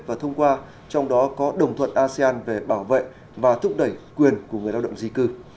và thông qua trong đó có đồng thuận asean về bảo vệ và thúc đẩy quyền của người lao động di cư